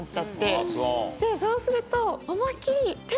そうすると。